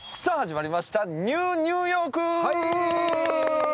さあ始まりました『ＮＥＷニューヨーク』！